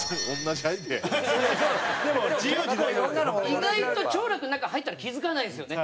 意外と兆楽の中入ったら気付かないんですよね